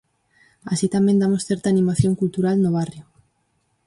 Así tamén damos certa animación cultural no barrio.